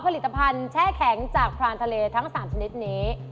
ผลิตภัณฑ์แช่แข็งจากพรานทะเลทั้ง๓ชนิดนี้